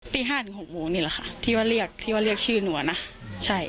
ตีห้าถึงหกโมงนี่แหละค่ะที่ว่าเรียกที่ว่าเรียกชื่อหนูอ่ะนะใช่